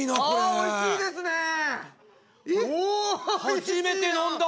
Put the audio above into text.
初めて飲んだ！